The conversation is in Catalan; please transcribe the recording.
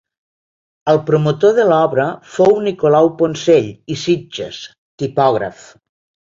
El promotor de l'obra fou Nicolau Poncell i Sitges, tipògraf.